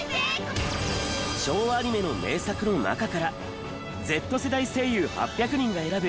昭和アニメの名作の中からＺ世代声優８００人が選ぶ！